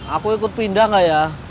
aku ikut pindah gak ya